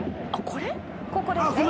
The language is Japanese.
「ここですね」